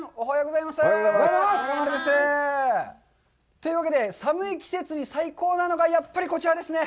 というわけで寒い季節に最高なのが、やっぱりこちらですね。